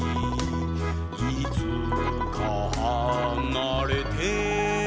「いつかはなれて」